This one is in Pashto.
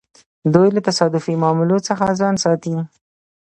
دوی له تصادفي معاملو څخه ځان ساتي.